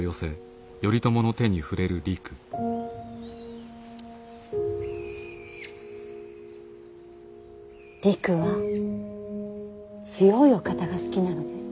りくは強いお方が好きなのです。